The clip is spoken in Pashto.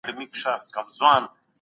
پوهان د اقتصادي پرمختګ په اړه څه وايي؟